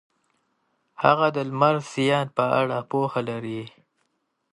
هغه د لمر د زیان په اړه پوهه لري.